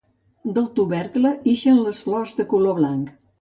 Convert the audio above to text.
Del tubercle ixen les flors de color blanc.